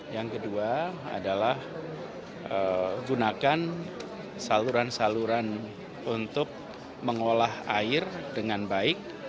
yang kedua adalah gunakan saluran saluran untuk mengolah air dengan baik